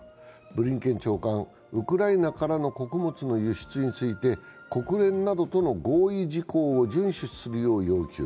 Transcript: ブリンケン長官、ウクライナからの穀物の輸出について国連などとの合意事項を順守するよう要求。